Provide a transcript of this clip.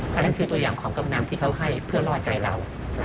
อันนั้นคือตัวอย่างของกำนันที่เขาให้เพื่อรอดใจเรา